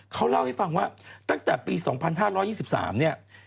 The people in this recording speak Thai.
เขาเล่าให้ฟังกันปี๒๕๒๓